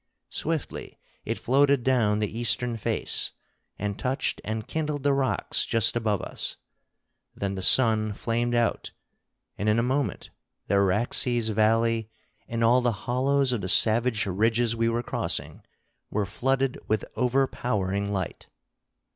Swiftly it floated down the eastern face, and touched and kindled the rocks just above us. Then the sun flamed out, and in a moment the Araxes valley and all the hollows of the savage ridges we were crossing were flooded with overpowering light.